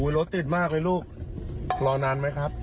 รถติดมากเลยลูกรอนานไหมครับ